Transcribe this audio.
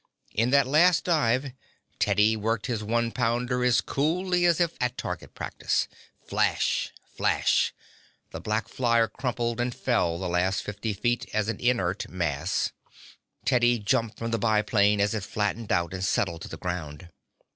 In that last dive Teddy worked his one pounder as coolly as if at target practice. Flash! Flash! The black flyer crumpled and fell the last fifty feet as an inert mass. Teddy jumped from the biplane as it flattened out and settled to the ground.